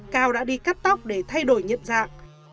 cao đã đi cắt tóc để thay đổi nhận dạng